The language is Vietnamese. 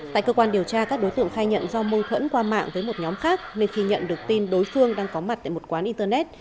tại cơ quan điều tra các đối tượng khai nhận do mâu thuẫn qua mạng với một nhóm khác nên khi nhận được tin đối phương đang có mặt tại một quán internet